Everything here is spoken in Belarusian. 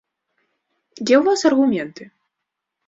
Дзе ў вас аргументы?